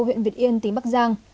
huyện việt yên tỉnh bắc giang